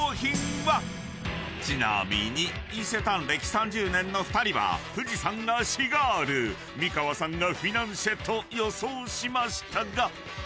［ちなみに伊勢丹歴３０年の２人は藤さんがシガール美川さんがフィナンシェと予想しましたが］